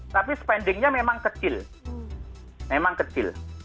tapi spendingnya memang kecil